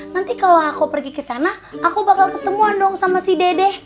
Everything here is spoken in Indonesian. nanti kalau aku pergi ke sana aku bakal ketemuan dong sama si dede